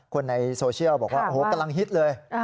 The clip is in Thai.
คนในโซเชียลบอกว่าโอ้โหกำลังฮิตเลย